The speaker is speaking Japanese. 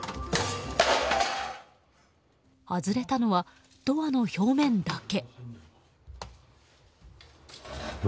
外れたのは、ドアの表面だけ。